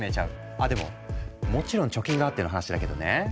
あでももちろん貯金があっての話だけどね。